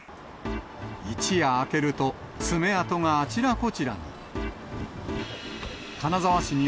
一夜明けると、爪痕があちらこちらに。